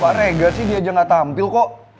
pak regar sih dia aja gak tampil kok